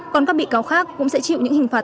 còn các bị cáo khác cũng sẽ chịu những hình phạt